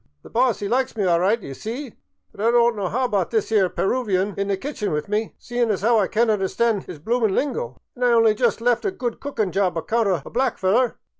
The boss 'e likes me all right, d'ye see, but I don't know 'ow about this 'ere Peruvan in the ki'chen with me, seein' as 'ow I can't understand 'is bloomin' lingo. An' I only jus' left a good cookin' job account o' a black feller.